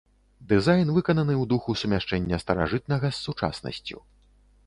Дызайн выкананы ў духу сумяшчэння старажытнага з сучаснасцю.